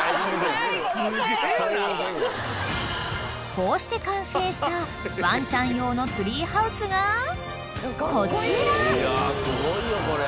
［こうして完成したワンちゃん用のツリーハウスがこちら！］